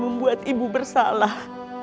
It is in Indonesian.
membuat ibu bersalah